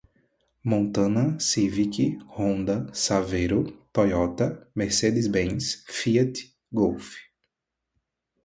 Montana, Civic, Honda, Savero, Toyota, Mercedez Bens, Fiat, Golf